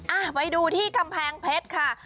อ่ะไปดูที่กำแพงเพชรค่ะ